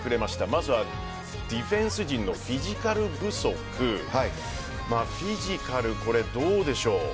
まずはディフェンス陣のフィジカル不足フィジカル、これどうでしょう。